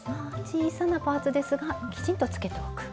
小さなパーツですがきちんとつけておく。